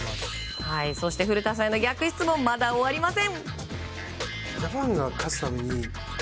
そして古田さんへの逆質問、まだ終わりません。